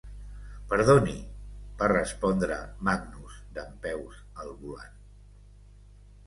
"Perdoni", va respondre Magnus dempeus al volant.